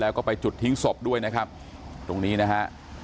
แล้วก็ไปจุดทิ้งศพด้วยนะครับตรงนี้นะฮะ